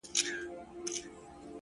o له يوه كال راهيسي؛